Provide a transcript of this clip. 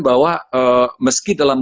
bahwa meski dalam